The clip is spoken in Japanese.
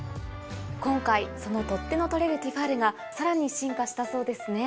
今回その「取っ手のとれるティファール」がさらに進化したそうですね。